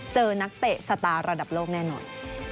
นักเตะสตาร์ระดับโลกแน่นอน